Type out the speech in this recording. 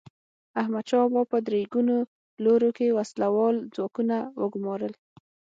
احمدشاه بابا په درې ګونو لورو کې وسله وال ځواکونه وګمارل.